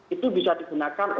itu bisa digunakan